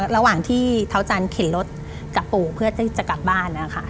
ระหว่างที่เท้าจันเข็นรถกับปู่เพื่อจะกลับบ้าน